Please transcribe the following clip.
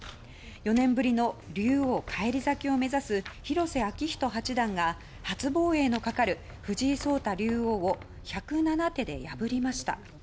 ４年ぶりの竜王返り咲きを目指す広瀬章人八段が初防衛のかかる藤井聡太竜王を１０７手で破りました。